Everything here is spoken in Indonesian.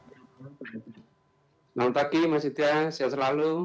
selamat pagi mas itya sehat selalu